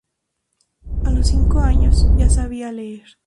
A los cinco años ya sabía leer.